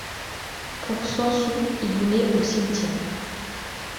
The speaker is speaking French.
Pour cent sous il vous met au cimetière.